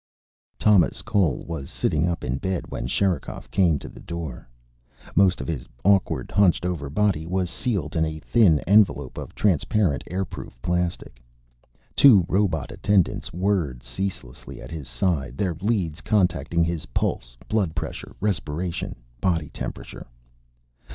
Thomas Cole was sitting up in bed when Sherikov came to the door. Most of his awkward, hunched over body was sealed in a thin envelope of transparent airproof plastic. Two robot attendants whirred ceaselessly at his side, their leads contacting his pulse, blood pressure, respiration, body temperature.